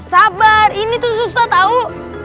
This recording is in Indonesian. sabar ini tuh susah tau